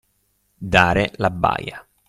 Dare la baia.